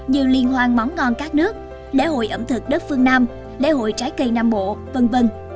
như liên hoan món ngon các nước lễ hội ẩm thực đất phương nam lễ hội trái cây nam bộ v v